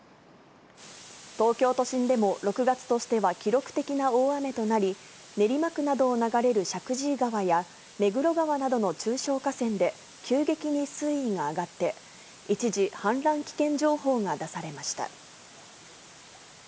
東京都心でも６月としては記録的な大雨となり、練馬区などを流れる石神井川や目黒川などの中小河川で、急激に水位が上がって、一時、氾濫危険情報が出されました。